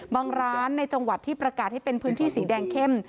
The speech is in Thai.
บางร้านในจังหวัดที่ประกาศให้เป็นพื้นที่สีแดงเข้ม